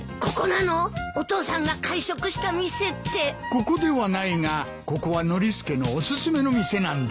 ここではないがここはノリスケのお薦めの店なんだ。